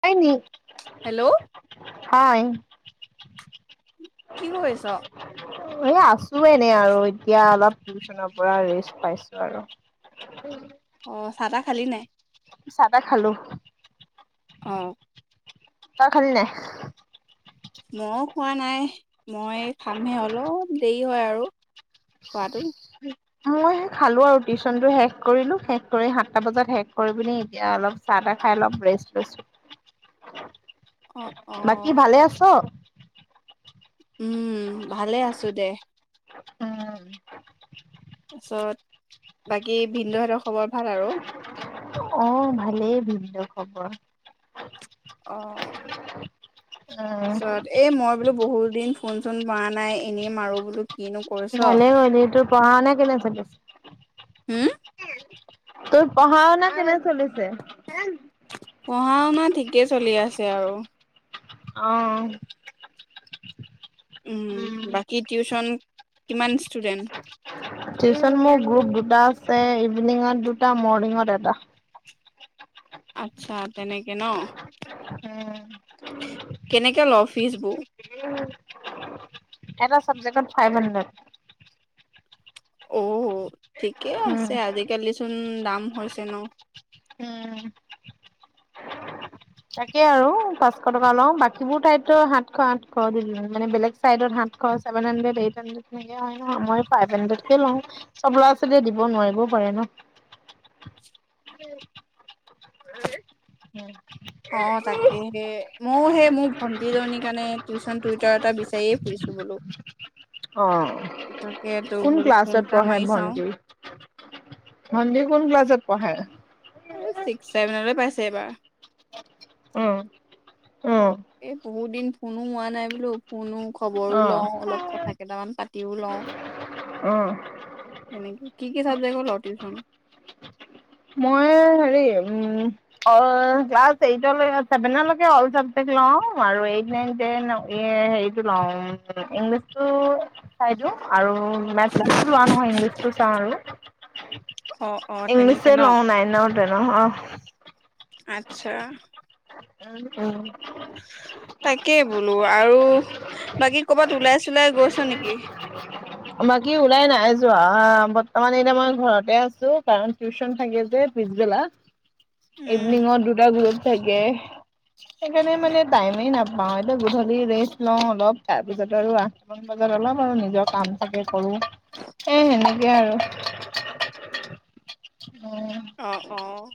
হয়, নি হেল্ল' হয়। কি কৰিছ? এ, আছ ছো, এনে আৰু এতিয়া অলপ টিউচনৰ পৰা ৰেচ পাইছোঁ আৰু। অ', চাহ তাহ খালি নাই? চাহ, তাহ খালোঁ। অ'। তই খালি নাই? মইও খোৱা নাই, মই খামহে অলপ দেৰি হয় আৰু খোৱাটো। মই হে খালো আৰু টিউশচনটো শেষ কৰিলো শেষ কৰি সাতটা বজাত শেষ কৰি পিনি এতিয়া অলপ চাহ তাহ খাই অলপ ৰেষ্ট অ' লৈছোঁ। বাকী অ' ভালে আছ। উম' ভালে আছো দে। তাৰপাছত বাকী ভিনদেউহঁতৰ খবৰ ভাল আৰু। অ' ভালেই ভিনদেউৰ খবৰ অ' উম তাৰপিছত এ মই বোলো বহুত দিন ফোন চোন মৰা নাই এনেই মাৰো বোলো। কিনো কৰিছ? ভালে কৰিলি এইটো পঢ়া- শুনা কেনে চলি আছে হম' তোৰ পঢ়া শুনা কেনে চলিছে? পঢ়া শুনা ঠিকেই চলি আছে আৰু অঁ উম' বাকী টিউচন কিমান ষ্টুডেণ্ট টিউচন মোৰ গ্ৰুপ দুটা আছে ইভিনিঙত দুটা মৰ্ণিঙত এটা আটচ্ছা তেনেকে ন, উম, কেনেকে লৱ ফ্ৰিজবোৰ এটা চাবজেক্টত ফাইভ হাড্ৰেড অ' উ ঠিকে উম, আছে আজিকালি। [unintelligible] দাম হৈছে ন' উম। তাকে আৰু পাঁচশ টকা লওঁ বাকীবোৰ ঠাইতটো সাতশ আঠশ, বেলেগ চাইডত ছেভেন হানড্ৰেদ এইট হানড্ৰেদ নেকি, মই ফাইভ হানড্ৰেদ কে লওঁ, চব ল'ৰা ছোৱালীয়ে দিব নোৱাৰিবও পাৰে ন। অ' তাকেহে মইয়ো সেই মোৰ ভন্টি জনীৰ কাৰণে টিউশচন টুইটাৰ এটা বিচাৰি বিচাৰি ফুৰিছোঁ বোলো। অঁ তাকে তো কোন বোলো ফোন ক্লাছত এটা পঢ়ে মাৰি চাও ভন্টি, ভন্টিৰ কোন ক্লাছত পঢ়ে। এই ছিক্স ছেভেন লৈ পাইছে এইবাৰ। উম [inaudible] ত এই বহুত দিন ফোনো হোৱা নাই বোলো ফোনো খবৰো অ', লওঁ অলপ কথা। কেইটামান পাতিও লওঁ অ'। সনেকে কি কি চাবজেক্ট লওঁ টিউচন। মই হেৰি আল ক্লাছ এইতঅ- চেভেন লৈকে আল চাবজেক্ট লওঁ আৰু এইত নাইন তেন হেৰি টো লওঁ ইংলিছ টো চাই দিও আৰু মোৰ মেটচটো লোৱা নহয় ইংলিচটো [unintelligible] অ', অ', তেনেক [unintelligible] আতচ্ছা। উম, উম। তাকেই বোলো, আৰু বাকী কৰ'বাত ওলাই, চোলাই গৈছ নেকি? তাৰমানে এতিয়া মই ঘৰতে আছোঁ, কাৰণ টিউচন থাকে যে, পিছবেলা উম দিনত দুটা [unintelligible] চাগে সেইকাৰণে মানে টাইমেই নাপাওঁ, এইটো গধূলি ৰেষ্ট লওঁ, অলপ তাৰপিছত আৰু আঠটামান বজাত অলপ আৰু নিজৰ কাম থাকে কৰোঁ এ, সেনেকে আৰু উম অ', অ'।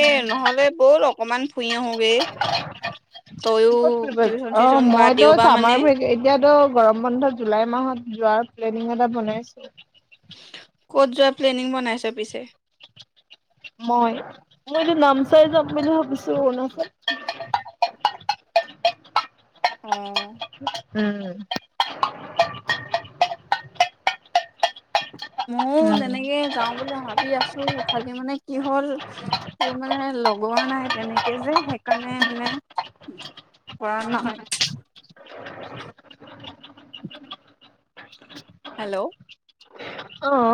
এ, নহ'লে ব'ল অকমান ফুৰি আহোঁগে, তইয়ো ক'ত ফুৰিব টিউচন, অ চিউচন কৰা মইতো দেওঁবাৰ চামাৰ মানে ব্ৰেক এতিয়াতো গৰম বন্ধ জুলাই মাহত যোৱাৰ প্লেনিং এটা বনাইছোঁ। ক'ত যোৱা প্লেনিং বনাইছ পিছে? মই, মই এইটো নামচাই যাম বুলি ভাবিছোঁ অৰুণাচল। অ'। উম। [inaudible] ময়ো তেনেকে উম যাওঁ বুলি ভাবি আছোঁ, খালি মানে কি হ'ল তোৰ মানে লগোৱা নাই তেনেকে যে সেইকাৰণে মানে কৰা নহয়। হেল্ল'। অহ।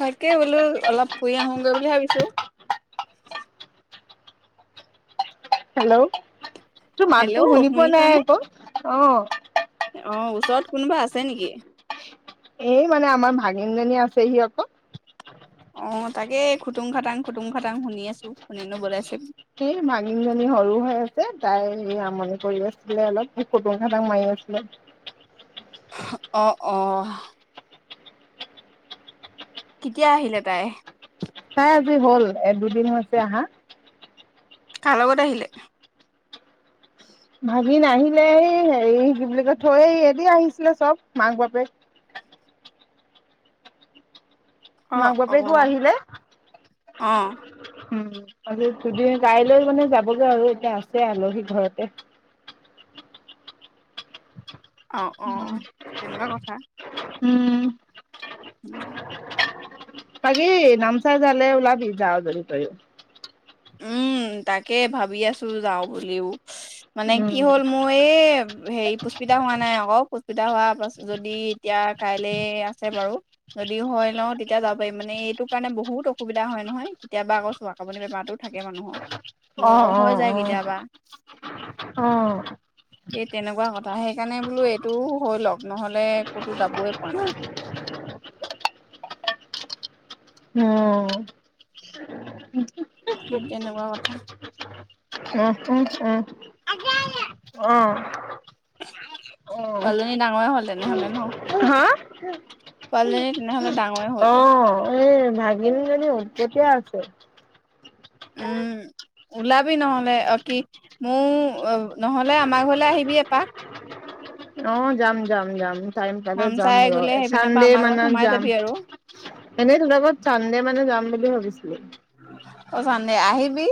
তাকেই বোলো অলপ ফুৰি আহোগৈ বুলি ভাবিছোঁ। হেল্ল'। তোৰ মাতটো হেল্ল' শুনি পোৱা নাই শুনিছানে আকৌ। অ'। অ', ওচৰত কোনোবা আছে নেকি? এই মানে আমাৰ ভাগিনজনী আছেহি অকল। অ', তাকে খুটুং খাটাং, খুটুং খাটাং, শুনি আছোঁ কোনেনো বজাইছে? সেই ভাগিনিজনী সৰু হৈ আছে তাই সে আমনি কৰি আছিলে অলপ খুটুং খাটাং মাৰি আছিলে। অ', অ'। কেতিয়া আহিলে তাই? তাই আজি হ'ল এ দুদিন হৈছে আহা। কাৰ লগত আহিলে? ভাগিন আহিলে, এই হেৰি কি বুলি কয় থৈ এদি আহিছিলে চব মাক বাপেক। অ', মাক-বাপেকো অ', আহিলে। অ'। [unintelligible] কাইলৈ মানে যাবগৈ আৰু এতিয়া আছে আলহী ঘৰতে। অ', অ', তেনেকুৱা কথা। উম [inaudible] বাকি নামচাই জালে ওলাবি যাওঁ যদি তইয়ো। উম, তাকে ভাবি আছো যাওঁ বুলিও। মানে কি উম, হ'ল মোৰ এই হেৰি পুস্পিতা হোৱা নাই আকৌ পুস্পিতা হোৱা পাছত যদি এতিয়া কাইলে আছে বাৰু, যদি হয় লও তেতিয়া যাব পাৰিম মানে এইটো কাৰণে বহুত অসুবিধা হয় নহয় কেতিয়াবা আকৌ চোৱাকুনি বেমাৰতোত। থাকে মানুহৰ। অ অ অ, কেতিয়াবা। অ। এ তেনেকুৱা কথা সেইকাৰণে বোলো এইটো হৈ লওক নহলে ক'তো যাবই পোৱা নাই। উম। তেনেকুৱা কথা। [inaudible] অ পোৱালজনী ডাঙৰে হ'ল তেনেহলে ন। হা। পুৱালিজনি তেনেহ'লে ডাঙ অ এ ভাগিন জানীও কেতিয়া আছে। উম ওলাবি নহলে অ-কি মোৰ আ-নহলে আমাৰ ঘৰলে আহিবি এপাক। অ যাম যাম যাম। টাইম পালে যাম নামচাই ৰ, গ'লে সেইপিনৰ পৰা চানডে আমাৰ ঘৰত মানত সোমাই যাম, যাবি আৰু এনেই তোৰ লগত চানডে মানে যাম বুলি ভাবিছিলো। অ চানডে আহিবি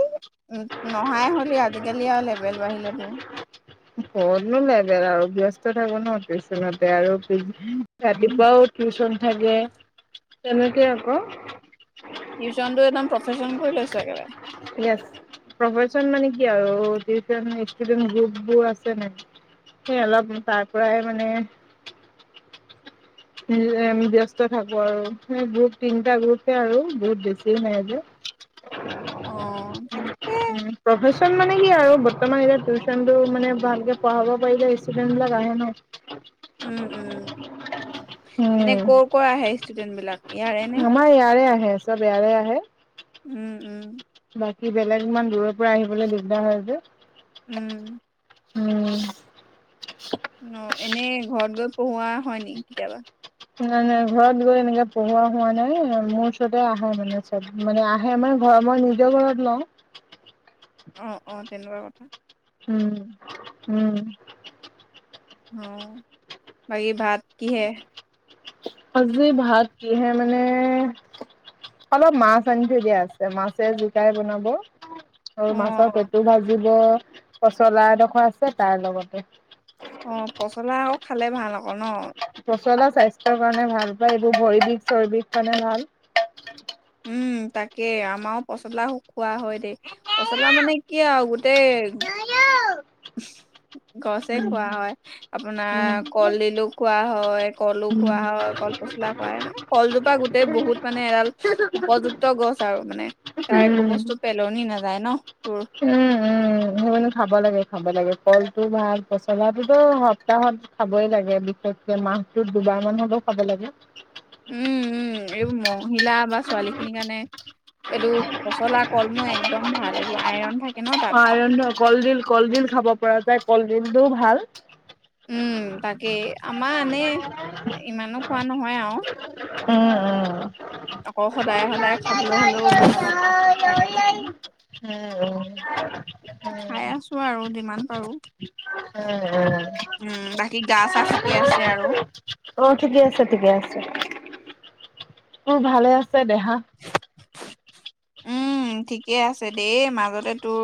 উ নহাই হলে আজিকালি আৰু লেবেল বাঢ়িলে তোৰ। কতনো লেবেল আৰু ব্যস্ত থাকো ন টিউচনতে আৰু ৰাতিপুৱাও টিউচন থাকে, তেনেকে আকৌ। টিউচনটো একদম প্ৰফেশচন কৰি লৈছো একেবাৰে। এছ, প্ৰফচন মানে কি আৰু টিউচন ষ্টুডেন্ট গ্ৰুপবোৰ আছে ন, সেই অলপ তাৰ পৰাই মানে। ব্যস্ত থাকো আৰু গ্ৰুপ তিনিটা গ্ৰুপে আৰু বহুত বেছি নাই যে। অ তাকে। উম, প্ৰফেচন মানে কি আৰু বৰ্তমান টিউচন টো মানে ভালেকে পঢ়াব পাৰিলেই আহে ন। [unintelligible] উম, উম, এনে কৰ কৰ আহে ষ্টুডেন্ট বিলাক, ইয়াৰে নে। আমাৰ ইয়াৰে আহে ইয়াৰে আহে। উম উম। বাকি বেলেগ ইমান দূৰৰ পৰা আহিবলৈ দিগদাৰ হয় যে। উম, উম। অ এনেই ঘৰত গৈ পঢ়োৱা হয় নি কেতিয়াবা। নাই নাই ঘৰত গৈ এনেকে পঢ়োৱা হোৱা নাই মোৰ ওচৰতে আহে মানে চব মানে আহে মমাৰ ঘৰ মই নিজৰ ঘৰত লওঁ। অ অ তেনেকুৱা কথা। উম উম। অ, বাকী ভাত কিহে? আজি ভাত কিহে মানে অলপ মাছ আনি থৈ দিয়া আছে মাছে জিকাই বনাব। আৰু মাছৰ অ, পেটু ভাজিব। পচলা এদখৰ আছে, তাৰ লগতে। অ' পচলা আও খালে ভাল আকৌ ন? পচলা স্বাস্থ্যৰ কাৰণে ভাল পায়, এইবোৰ ভৰিবিষ চৰিবিষ কাৰণে ভাল। উম, তাকে, আমাৰো পচলা খোৱা হয় দেই। উম পচলা মানে কি আৰু গোটেই গছে উম খোৱা হয়, উম আপোনাৰ কলডিলো খোৱা হয় কলো উম খোৱা হয়, কল পচলা খোৱা এ মানে কলজোপা গোটেই বহুত মানে এডাল উপযুক্ত গছ আৰু মানে, তাৰ একো উম বস্তু পেলনি নাযায় ন তোৰ [unintelligible] খাব লাগে, খাব লাগে, কলটো ভাল, পচলাটোতো সপ্তাহত খাবই লাগে। বিশেষকৈ মাহটোত দুবাৰ মান হলেও খাব লাগে। উম, উম, এইবোৰ মহিলা বা ছোৱালী খিনিৰ কাৰণে এইটো পচলা, কলমৌ একদম ভাল, এইবোৰ আইৰন থাক অ, আইৰন, কলডিল, কলডিল খাব পৰা যায়। কলডিলটোও ভাল উম, তাকে আমাৰ আনেই। ইমানো খোৱা নহয় আৰু। উম, উম। আকৌ উম সদায়, সদায় খাবলৈ হ'লেও [unintelligible] খাই আছোঁ আৰু যিমান পাৰোঁ উম, উম। কি গা, চা ঠিকে উম আছ অ', ঠিকে আছে, ঠিকে আছে। তোৰ ভালে আছে দেহা? [inaudible] উম, ঠিকে আছে দেই মাজতে তোৰ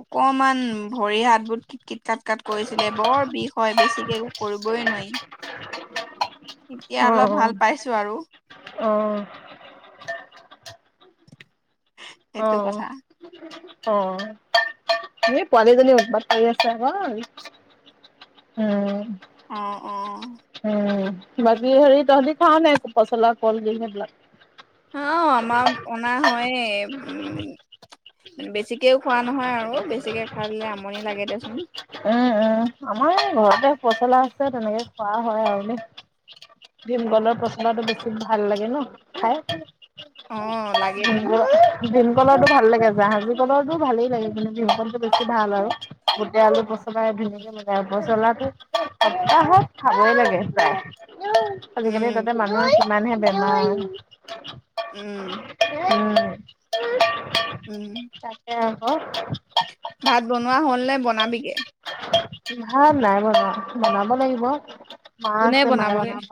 অকমান ভৰি, হাতবোৰ কিত, কিত কাট, কাট কৰিছিলে বৰ বিষ হয়, বেছিকে একো কৰিবই নোৱাৰি। এতিয়া অ অলপ ভাল পাইছোঁ আৰু। অ অ অ সেইটো কথা। এ, পোৱালিজনী উৎপাত কৰি আছে আকৌ, উম। অ', অ'। উম বাকী হেৰি তহঁতি খাৱ নাই পচলা, কলডিল সেইবিলাক? অ', আমাৰ অনা হয়ে উম, বেছিকেও খোৱা নহয়, আৰু বেছিকে খালে আমনি লাগে দেচোন। উম উম আমাৰ ঘৰতে পচলা আছে, তেনেকে খোৱা হয় আৰু। ভীম অ কলৰ পচলাটো বেছি ভাল লাগে ন' খাই? অ লাগেতোন [unintelligible] কলৰটো ভাল লাগে, জাহাজী কলৰটো ভালেই লাগে, কিন্তু ভীম কলটো বেছি ভাল আৰু গোটেই আলু পচলা ধুনীয়াকে [unintelligible] পচলাটো সপ্তাহত খাবই লাগে প্ৰায়। এ আজিকালি উম তাতে মানুহে মানহে বেমাৰ। উম। হয়। উম। তাকে আকৌ। ভাত বনোৱা হ'ল নে বনাবিগে? ভাত নাই বনোৱা, বনাব লাগিব। মা কোনে আছে মায়ে বনাবগে বনাব।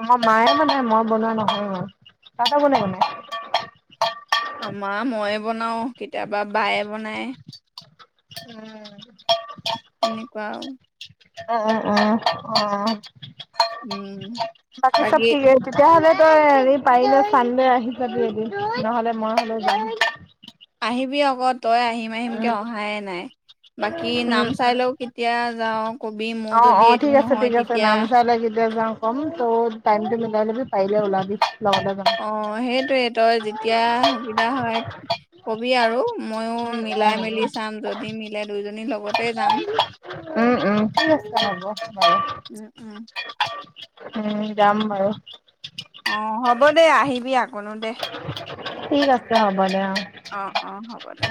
আমাৰ মায়ে বনাই মই বনোৱা নহয়, তহঁতৰ কোনে বনাই? অ', মা ময়ে বনাওঁ কেতিয়াবা বায়ে বনায়। উম। তেনে কওঁ অ', অ', অ', অ'। উম বাকী চব ঠিক আছে, তেতিয়াহ'লে তই হেৰি পাৰিলে চান দে আহি চাবি এদিন নহ'লে মই হলেওঁ যাম। আহিবি আগত তই আহিম, আহিম উম, কে উম, অহায়ে নাই, বাকী নাম উম, চাই লওঁ কেতিয়া যাওঁ, ক'বি মোৰ অ', যদি অ', এইটো নহয় তেতিয়া কমটো টাইম টো মিলাই ল'বি পাৰিলে ওলাবি। লগতে যাম। অ', সেইটোৱে। তই যেতিয়া সুবিধা হয় ক'বি আৰু। ময়ো উম, মিলাই উম, মেলি উম, চাম, যদি মিল লে দুইজনীৰ লগতে যাম। উম, উম, ঠিক আছে, হ'ব। বাৰু। উম, উম। উম, যাম বাৰু। অ', হ'ব দে আহিবি আকনো দে। ঠিক আছে, হ'ব দে, অ'। অ', অ', হ'ব দে।